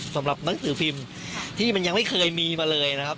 สำหรับหนังสือพิมพ์ที่มันยังไม่เคยมีมาเลยนะครับ